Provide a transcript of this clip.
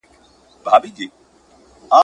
حتا له ساه اخیستلو هم.